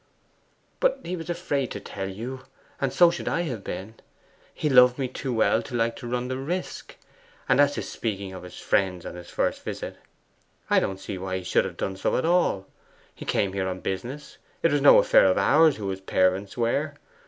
'But he was afraid to tell you, and so should I have been. He loved me too well to like to run the risk. And as to speaking of his friends on his first visit, I don't see why he should have done so at all. He came here on business: it was no affair of ours who his parents were.